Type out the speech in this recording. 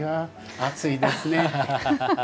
暑いですねって。